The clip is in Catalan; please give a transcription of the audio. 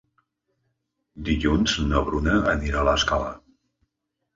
Dilluns na Bruna anirà a l'Escala.